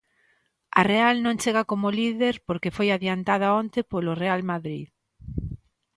A Real non chega como líder porque foi adiantada onte polo Real Madrid.